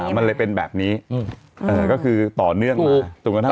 มันเลยเป็นปาร์ตี้แบบนี้อืมเออก็คือต่อเนื่องมา